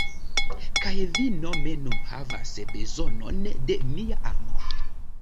Kaj vi nome nun havas bezonon de mia amo.